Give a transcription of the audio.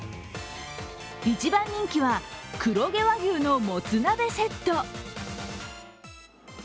一番人気は黒毛和牛のもつ鍋セット。